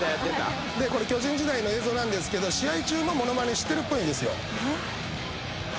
これ巨人時代の映像なんですけど試合中も物まねしてるっぽいんですよ。